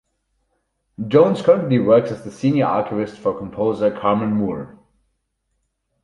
Jones currently works as the senior archivist for composer Carman Moore.